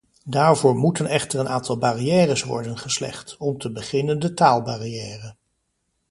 Daarvoor moeten echter een aantal barrières worden geslecht, om te beginnen de taalbarrière.